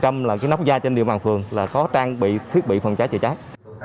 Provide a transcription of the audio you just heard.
trong là cái nóc da trên địa bàn phường là có trang bị thiết bị phòng cháy chữa cháy